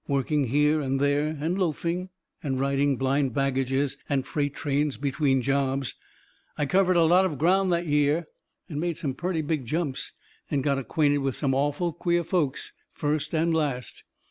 Working here and there, and loafing and riding blind baggages and freight trains between jobs, I covered a lot of ground that year, and made some purty big jumps, and got acquainted with some awful queer folks, first and last.